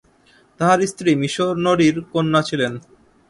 তাঁহার স্ত্রী মিশনরির কন্যা ছিলেন।